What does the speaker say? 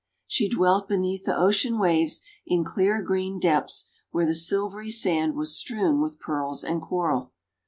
She dwelt beneath the ocean waves, in clear green depths where the silvery sand was strewn with Pearls and Coral.